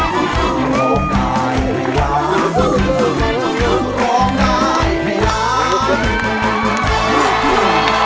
คุณบัวร้องได้ครับ